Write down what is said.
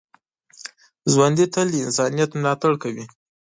ژوندي تل د انسانیت ملاتړ کوي